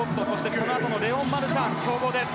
このあとのレオン・マルシャン強豪です。